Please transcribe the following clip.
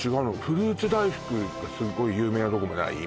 フルーツ大福がすっごい有名なとこもない？